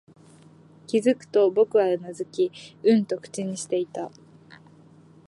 気づくと、僕はうなずき、うんと口にしていた